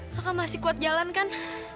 maka masih kuat jalan kan